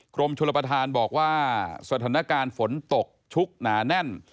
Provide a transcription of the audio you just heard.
กรมชลประธานบอกว่าสถานการณ์ฝนตกชุกหนาแน่น